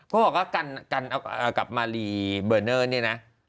เขาบอกว่ากันกับมารีเบอร์เนอร์เนี่ยนะ